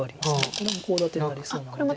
これもコウ立てになりそうなので。